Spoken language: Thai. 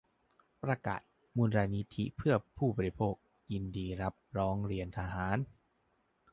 ประกาศ มูลนิธิเพื่อผู้บริโภค ยินดีรับร้องเรียนทหาร